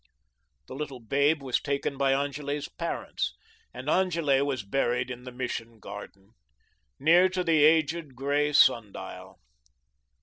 The little babe was taken by Angele's parents, and Angele was buried in the Mission garden near to the aged, grey sun dial.